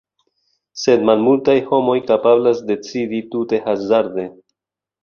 Sed malmultaj homoj kapablas decidi tute hazarde.